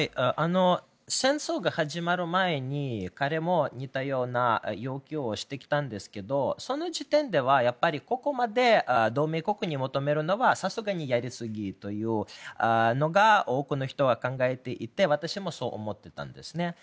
戦争が始まる前に彼も似たような要求をしてきたんですがその時点ではここまで同盟国に求めるのはさすがにやりすぎというのを多くの人は考えていて私もそう思っていたんですね。